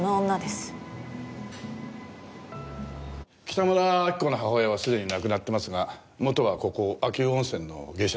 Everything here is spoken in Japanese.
北村明子の母親はすでに亡くなってますがもとはここ秋保温泉の芸者でした。